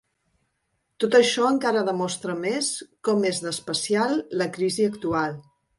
Tot això encara demostra més com és d’especial la crisi actual.